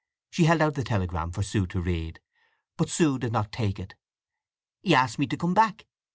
She held out the telegram for Sue to read, but Sue did not take it. "He asks me to come back.